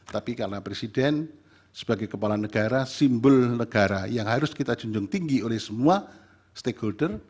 tapi karena presiden sebagai kepala negara simbol negara yang harus kita junjung tinggi oleh semua stakeholder